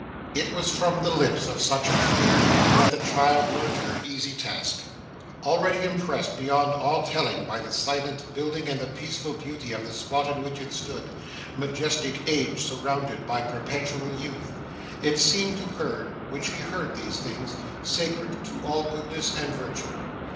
It was from the lips of such a tutor, that the child learnt her easy task. Already impressed, beyond all telling, by the silent building and the peaceful beauty of the spot in which it stood majestic age surrounded by perpetual youth it seemed to her, when she heard these things, sacred to all goodness and virtue.